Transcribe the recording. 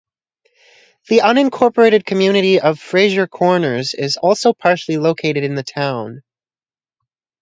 The unincorporated community of Frazer Corners is also partially located in the town.